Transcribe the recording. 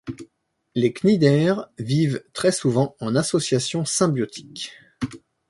Les cnidaires vivent très souvent en association symbiotique.